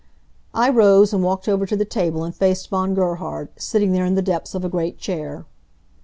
I rose and walked over to the table and faced Von Gerhard, sitting there in the depths of a great chair.